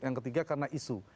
yang ketiga karena isu